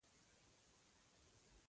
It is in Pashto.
یو نيم هم لا په کړکيو لګیا و.